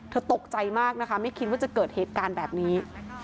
ตกใจมากนะคะไม่คิดว่าจะเกิดเหตุการณ์แบบนี้